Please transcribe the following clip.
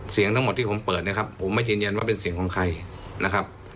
ทั้งหมดที่ผมเปิดนะครับผมไม่ยืนยันว่าเป็นเสียงของใครนะครับ